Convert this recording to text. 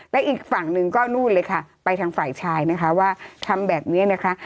และอีกฝั่งหนึ่งก็นู่นเลยค่ะไปทางฝ่ายชายนะคะว่าทำแบบนี้นะคะ